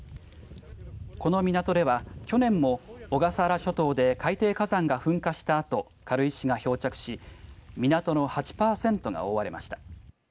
この港では、去年も小笠原諸島で海底火山が噴火したあと軽石が漂着し港の８パーセントが覆われました。